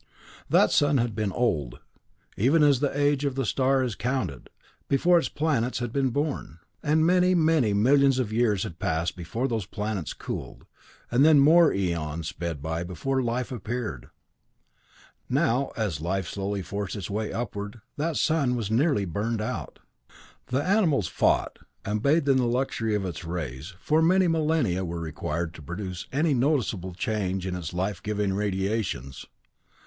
"That sun had been old, even as the age of a star is counted, before its planets had been born, and many, many millions of years had passed before those planets cooled, and then more eons sped by before life appeared. Now, as life slowly forced its way upward, that sun was nearly burned out. The animals fought, and bathed in the luxury of its rays, for many millennia were required to produce any noticeable change in its life giving radiations.